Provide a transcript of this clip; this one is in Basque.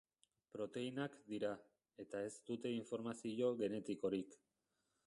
Proteinak dira, eta ez dute informazio genetikorik.